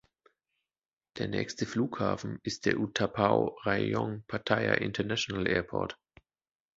Der nächste Flughafen ist der U-Tapao–Rayong–Pattaya International Airport.